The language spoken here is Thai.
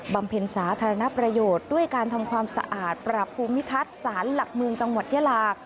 ำเพ็ญสาธารณประโยชน์ด้วยการทำความสะอาดปรับภูมิทัศน์สารหลักเมืองจังหวัดยาลา